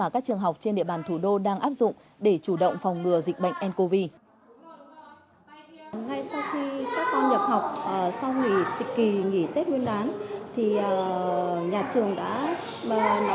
các trường học trên địa bàn thủ đô đang áp dụng để chủ động phòng ngừa dịch bệnh ncov